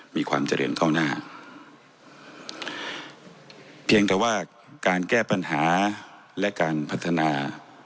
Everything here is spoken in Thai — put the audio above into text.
มีความเจริญเข้าหน้าเพียงแต่ว่าการแก้ปัญหาและการพัฒนา